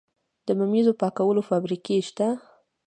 د ممیزو پاکولو فابریکې شته؟